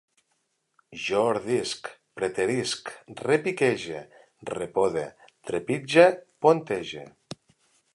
Jo ordisc, preterisc, repiquege, repode, trepitge, pontege